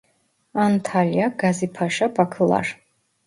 Antalya Gazipaşa Bakılar